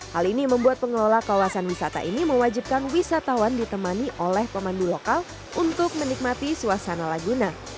hal ini membuat pengelola kawasan wisata ini mewajibkan wisatawan ditemani oleh pemandu lokal untuk menikmati suasana laguna